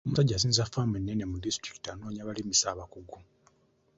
Omusajja asinza ffaamu ennene mu disitulikiti anoonya balimisa abakugu.